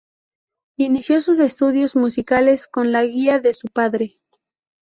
Inició sus estudios musicales con la guía de su padre.